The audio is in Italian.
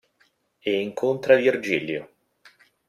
E incontra Virgilio.